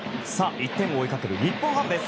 １点を追いかける日本ハムです。